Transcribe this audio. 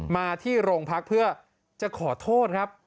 มาที่โรงพักเพื่อจะขอโทษครับ